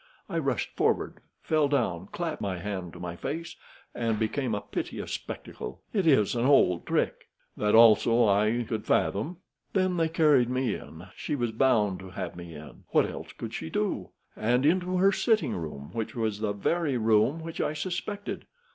I rushed forward, fell down, clapped my hand to my face, and became a piteous spectacle. It is an old trick." "That also I could fathom." "Then they carried me in. She was bound to have me in. What else could she do? And into her sitting room, which was the very room which I suspected.